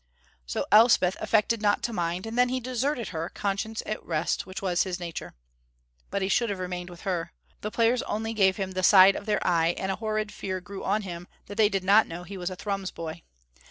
So Elspeth affected not to mind, and then he deserted her, conscience at rest, which was his nature. But he should have remained with her. The players only gave him the side of their eye, and a horrid fear grew on him that they did not know he was a Thrums boy.